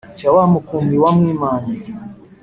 cya wa mukumbi wa mwimanyi